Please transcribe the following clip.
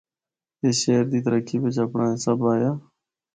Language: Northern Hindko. اس شہر دی ترقی بچ اپنڑا حصہ بایا۔